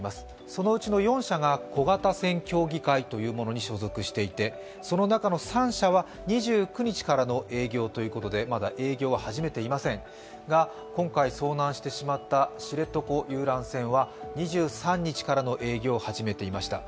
そのうちの４社が小型船協議会というものに所属していて、その中の３社は２９日からの営業ということでまだ営業は始めていませんが今回、遭難してしまった知床遊覧船は２３日からの営業を始めていました。